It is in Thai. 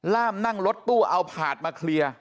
ล่ามนั่งรถตู้เอาผาดมาเคลียร์